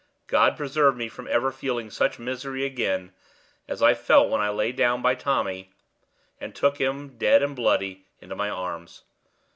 God preserve me from ever feeling such misery again as I felt when I lay down by Tommy, and took him, dead and bloody, in my arms!